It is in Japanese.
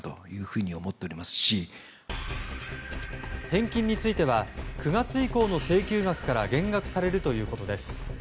返金については９月以降の請求額から減額されるということです。